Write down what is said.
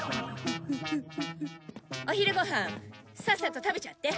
お昼ご飯さっさと食べちゃって。